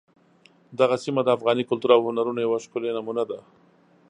دغه سیمه د افغاني کلتور او هنرونو یوه ښکلې نمونه ده.